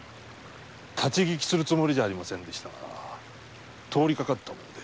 立ち聞きするつもりじゃありませんでしたが通りかかったもので。